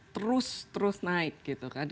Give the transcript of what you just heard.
terus terus naik gitu kan